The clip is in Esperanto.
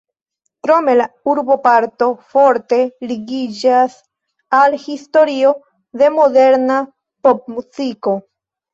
Krome la urboparto forte ligiĝas al la historio de moderna popmuziko.